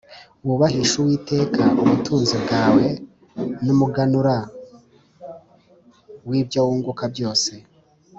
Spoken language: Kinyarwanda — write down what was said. wubahishe uwiteka ubutunzi bwawe, n’umuganumbersra w’ibyo wunguka byose